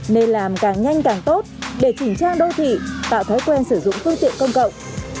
nên làm càng nhanh càng tốt để chỉnh trang đô thị tạo thói quen sử dụng phương tiện công cộng